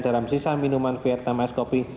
dalam sisa minuman vir enam s copi